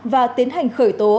và tiến hành khởi tố